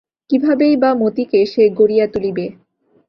কীভাবেই বা মতিকে সে গড়িয়া তুলিবে?